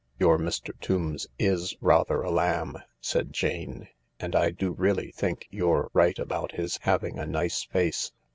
" Your Mr. Tombs is rather a lamb," said Jane, " and I do really think you're right about his having a nice face."